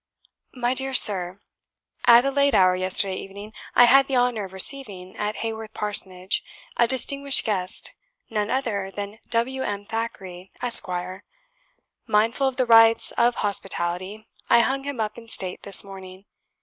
"My dear Sir, At a late hour yesterday evening, I had the honour of receiving, at Haworth Parsonage, a distinguished guest, none other than W. M. Thackeray, Esq. Mindful of the rites of hospitality, I hung him up in state this morning.